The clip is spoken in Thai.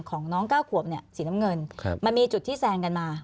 ของน้องเก้าขวบเนี่ยสีน้ำเงินมันมีจุดที่แซงกันมา